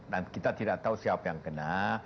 dan kita tidak tahu siapa yang kena